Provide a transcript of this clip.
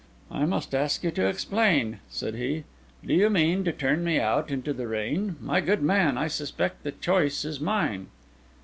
"I must ask you to explain," said he. "Do you mean to turn me out into the rain? My good man, I suspect the choice is mine."